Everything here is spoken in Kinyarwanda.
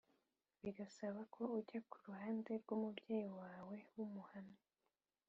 bigasaba ko ujya ku ruhande rw umubyeyi wawe w Umuhamya